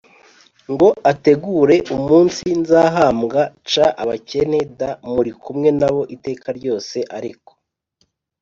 Ngo ategure umunsi nzahambwa c abakene d muri kumwe na bo iteka ryose ariko